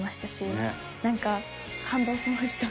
なんか感動しました。